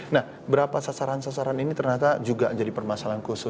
nah berapa sasaran sasaran ini ternyata juga jadi permasalahan khusus